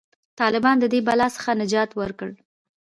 طالبانو د دې بلا څخه نجات ورکړ.